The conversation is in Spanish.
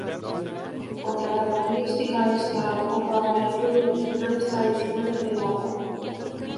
Otra característica es la poca variación en los finales tradicionales de etapa.